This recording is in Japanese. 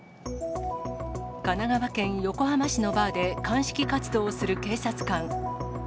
神奈川県横浜市のバーで、鑑識活動をする警察官。